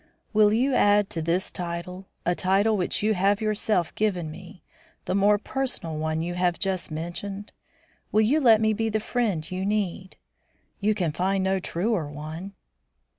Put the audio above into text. Will you add to this title a title which you have yourself given me, the more personal one you have just mentioned? Will you let me be the friend you need? You can find no truer one."